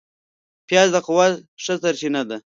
پیاز د قوت ښه سرچینه ده